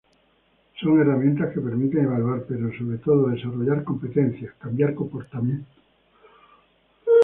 Son herramientas que permiten evaluar, pero sobre todo desarrollar competencias, cambiar comportamientos.